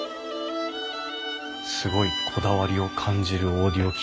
すごいこだわりを感じるオーディオ機器ですね。